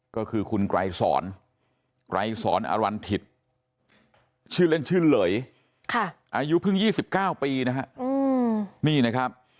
ก็คือคุณไกรสอนไกรสอนอรันถิตชื่นเล่นชื่นเหลยอายุเพิ่ง๒๙ปี